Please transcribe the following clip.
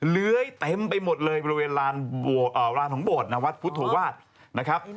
เลื้อยเต็มไปหมดเลยบริเวณลานของโบสถ์นะวัดพุทธวาสนะครับ